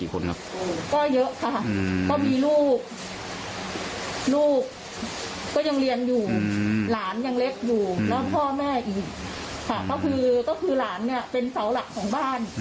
ครับ